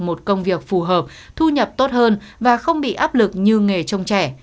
một công việc phù hợp thu nhập tốt hơn và không bị áp lực như nghề trông trẻ